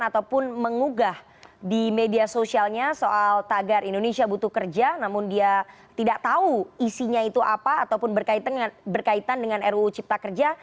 ataupun mengugah di media sosialnya soal tagar indonesia butuh kerja namun dia tidak tahu isinya itu apa ataupun berkaitan dengan ruu cipta kerja